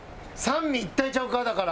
三位一体ちゃうか？